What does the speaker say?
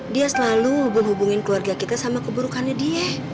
dia selalu hubung hubungin keluarga kita sama keburukannya dia